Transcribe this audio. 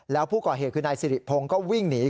แล้วผู้ก่อเหตุคือนายสิริพงศ์ก็วิ่งหนี